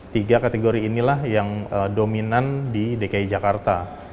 tiga kategori inilah yang dominan di dki jakarta